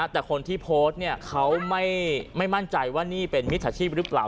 แต่คนที่โพสต์เขาไม่มั่นใจว่านี่เป็นมิจฉาชีพหรือเปล่า